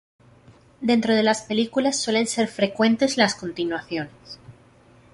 Dentro de las películas suelen ser frecuentes las continuaciones.